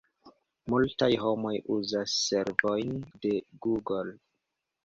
Multaj homoj uzas servojn de Google.